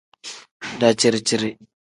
Daciri-ciri.